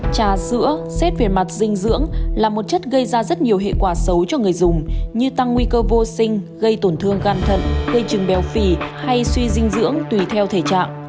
trà sữa xét về mặt dinh dưỡng là một chất gây ra rất nhiều hệ quả xấu cho người dùng như tăng nguy cơ vô sinh gây tổn thương gan thận gây chứng béo phì hay suy dinh dưỡng tùy theo thể trạng